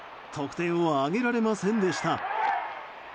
得点を挙げられませんでした。